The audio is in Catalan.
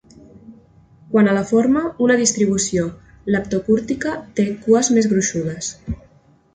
Quant a la forma, una distribució leptocúrtica té "cues més gruixudes".